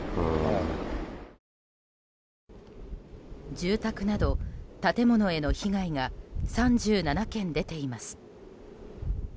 住宅など建物への被害が３７軒出ています。